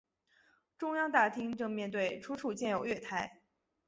中央大厅正面对出处建有月台。